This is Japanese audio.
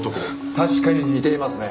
確かに似ていますね。